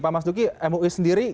pak mas duki mui sendiri